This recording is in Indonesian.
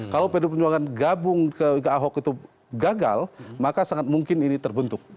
kalau pd perjuangan gabung ke ahok itu gagal maka sangat mungkin ini terbentuk